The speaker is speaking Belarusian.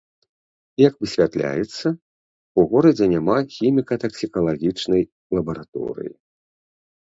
Як высвятляецца, у горадзе няма хіміка-таксікалагічнай лабараторыі.